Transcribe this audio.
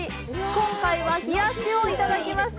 今回は「冷やし」をいただきました。